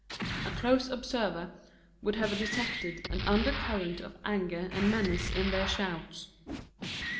A close observer would have detected an undercurrent of anger and menace in their shouts.